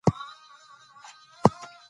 سره زر تر مجسمې قيمتي دي.